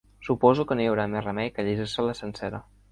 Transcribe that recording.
Suposo que no hi haurà més remei que llegir-se-la sencera.